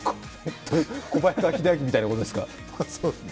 小早川秀秋みたいなことですか。